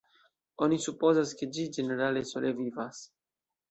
Oni supozas ke ĝi ĝenerale sole vivas.